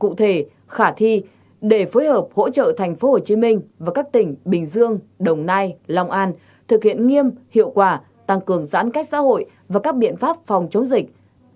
sáu ủy ban nhân dân tp hcm ủy ban nhân dân các tỉnh bình dương đồng nai long an thực hiện nghiêm hiệu quả tăng cường giãn cách xã hội và các biện pháp phòng chống dịch